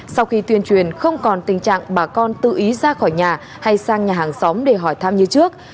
sau khi tuyên truyền không còn tình trạng bà con tự ý ra khỏi nhà hay sang nhà hàng xóm để hỏi thăm như trước